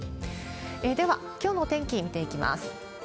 では、きょうのお天気、見ていきます。